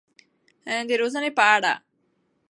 د روزنې په اړه.